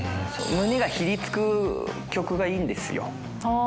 胸がひりつく曲がいいんですよ。